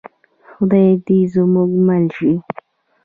خدای دې زموږ مل شي